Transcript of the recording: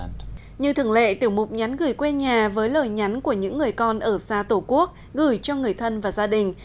như thường lệ tiểu mục nhắn gửi quê nhà với lời nhắn của những người con ở xa tổ quốc gửi cho người thân và gia đình